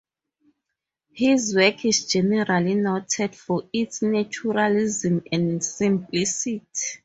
His work is generally noted for its naturalism and simplicity.